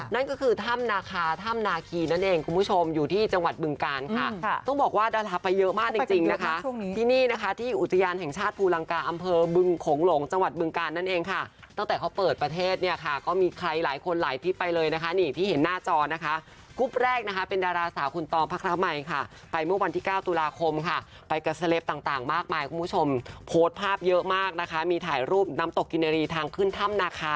นั่นก็คือถ้ำนาคาถ้ำนาคีนั่นเองคุณผู้ชมอยู่ที่จังหวัดบึงการค่ะต้องบอกว่าดาราไปเยอะมากจริงนะคะที่นี่นะคะที่อุตยานแห่งชาติภูลังกาอำเภอบึงขงหลงจังหวัดบึงการนั่นเองค่ะตั้งแต่เขาเปิดประเทศเนี่ยค่ะก็มีใครหลายคนหลายที่ไปเลยนะคะนี่ที่เห็นหน้าจอนะคะกรุ๊ปแรกนะคะเป็นดาราสาวคุณตอมพระคราวใหม่